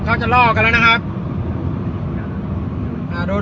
ใครผิดใครถูก